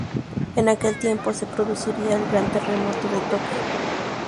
En aquel tiempo se produciría el gran terremoto de Tokio.